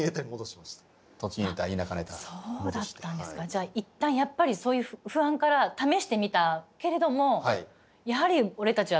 じゃあ一旦やっぱりそういう不安から試してみたけれどもやはり俺たちは栃木だと。